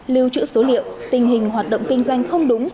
lưu trữ số liệu tình hình hoạt động kinh doanh không đúng